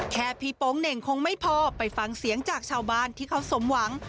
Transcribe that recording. แค่พี่โป๊งเหน่งคงไม่พอไปฟังเสียงจากชาวบ้านที่เขาสมหวัง